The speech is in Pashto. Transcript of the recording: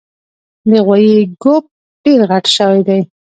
د غوایي ګوپ ډېر غټ شوی دی